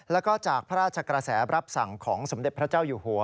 แล้วก็จากพระราชกระแสรับสั่งของสมเด็จพระเจ้าอยู่หัว